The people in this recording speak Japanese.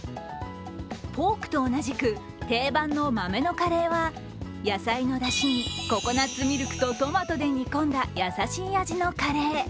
ポークと同じく定番の豆のかれーは、野菜のだしにココナツミルクとトマトで煮込んだ優しい味のカレー。